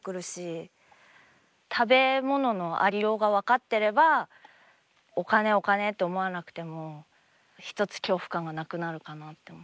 食べ物のありようが分かってればお金お金と思わなくても一つ恐怖感がなくなるかなって思って。